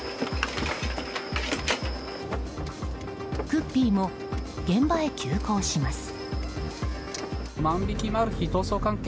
クッピーも現場へ急行します。